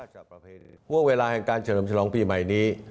ห่วงเวลาแห่งการเจริมฉลองปีใหม่นี้